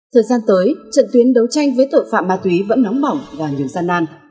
thời gian tới trận tuyến đấu tranh với tội phạm ma túy vẫn nóng bỏng và nhiều gian nan